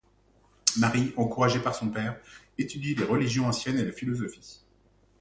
Marie, encouragée par son père, étudie les religions anciennes et la philosophie.